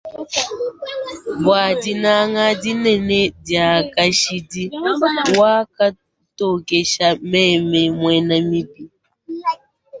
Bwa dinanga dinene dia kashidi wakantokesha meme mwena mibi.